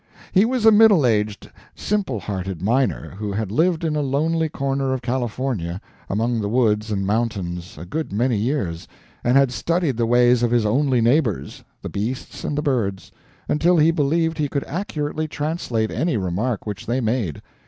He was a middle aged, simple hearted miner who had lived in a lonely corner of California, among the woods and mountains, a good many years, and had studied the ways of his only neighbors, the beasts and the birds, until he believed he could accurately translate any remark which they made.